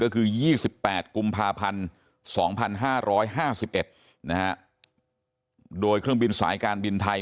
ก็คือ๒๘กุมภาพันธ์๒๕๕๑โดยเครื่องบินสายการบินไทย